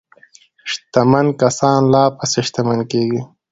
شتمن کسان لا پسې شتمن کیږي.